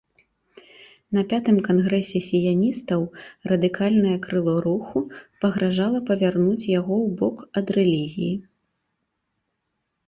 На пятым кангрэсе сіяністаў радыкальнае крыло руху пагражала павярнуць яго ў бок ад рэлігіі.